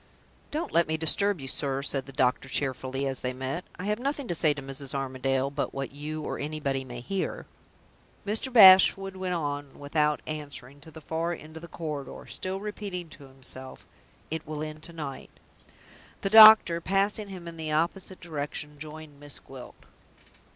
"Don't let me disturb you, sir," said the doctor, cheerfully, as they met. "I have nothing to say to Mrs. Armadale but what you or anybody may hear." Mr. Bashwood went on, without answering, to the far end of the corridor, still repeating to himself: "It will end to night!" The doctor, passing him in the opposite direction, joined Miss Gwilt.